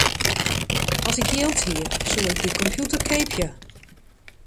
As ik jild hie, soe ik dy kompjûter keapje.